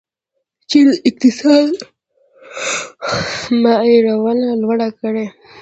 چین اقتصادي معیارونه لوړ کړي.